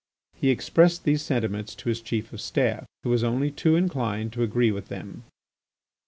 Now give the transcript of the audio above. He expressed these' sentiments to his Chief of Staff, who was only too inclined to agree with them.